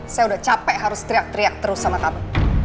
saya udah capek harus teriak teriak terus sama kamu